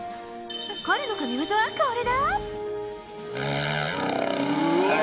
彼の神技はこれだ。